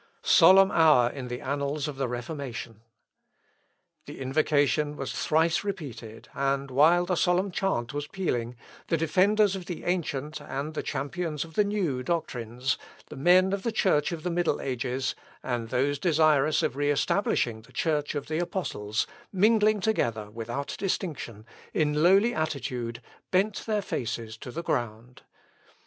Solemn hour in the annals of the Reformation! The invocation was thrice repeated; and, while the solemn chant was pealing, the defenders of the ancient, and the champions of the new doctrines, the men of the Church of the middle ages, and those desirous of re establishing the Church of the apostles, mingling together without distinction, in lowly attitude bent their faces to the ground.